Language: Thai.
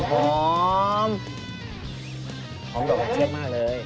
หอมแบบเก๊กเก๊กมากเลย